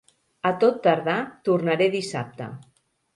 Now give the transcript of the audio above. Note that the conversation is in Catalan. A tot tardar tornaré dissabte.